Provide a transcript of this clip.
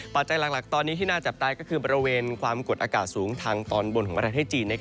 จัยหลักตอนนี้ที่น่าจับตาก็คือบริเวณความกดอากาศสูงทางตอนบนของประเทศจีน